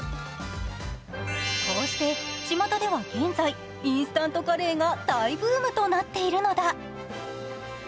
こうしてちまたでは現在、インスタントカレーが大ブームとなっているのだ。